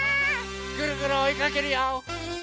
ぐるぐるおいかけるよ！